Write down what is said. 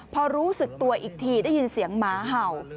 พอรู้สึกตัวอีกทีได้ยินเสียงหมาเห่า